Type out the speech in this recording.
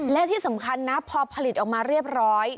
และที่สำคัญนะพอผลิตออกมาเรียบร้อย